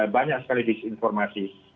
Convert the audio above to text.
banyak sekali disinformasi